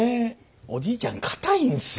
おじいちゃん堅いんすよ。